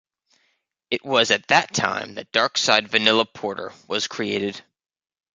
It was at that time that Dark Side Vanilla Porter was created.